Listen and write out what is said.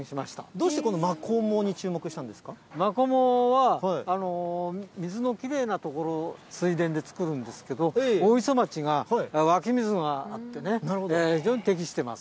どうしてこのマコモに挑戦しマコモは、水のきれいな所、水田で作るんですけど、大磯町が湧水があってね、非常に適してま